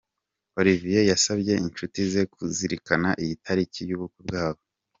Olivier yasabye inshuti ze kuzirikana iyi taliki y’ubukwe bwabo.